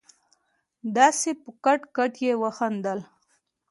داسې په کټ کټ يې وخندل.